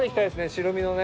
白身のね。